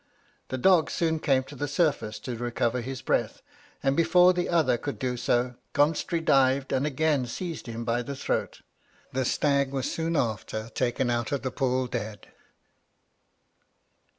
The dog soon came to the surface to recover his breath; and before the other could do so, Comhstri dived, and again seized him by the throat. The stag was soon after taken out of the pool dead.